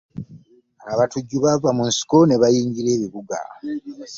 Abatujju baava mu nsiko nebayingira ebibuga.